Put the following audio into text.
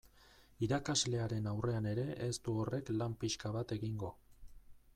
Irakaslearen aurrean ere ez du horrek lan pixka bat egingo.